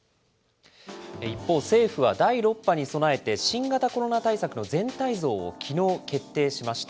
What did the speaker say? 一方、政府は第６波に備えて、新型コロナ対策の全体像をきのう決定しました。